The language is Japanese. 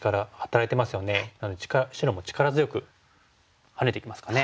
なので白も力強くハネてきますかね。